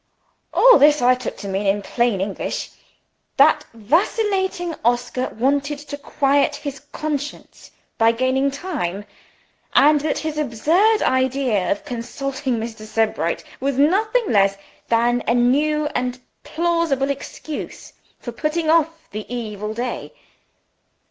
All this I took to mean, in plain English, that vacillating Oscar wanted to quiet his conscience by gaining time, and that his absurd idea of consulting Mr. Sebright was nothing less than a new and plausible excuse for putting off the evil day.